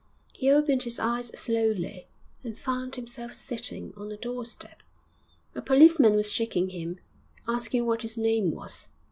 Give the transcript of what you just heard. He opened his eyes slowly, and found himself sitting on a doorstep; a policeman was shaking him, asking what his name was.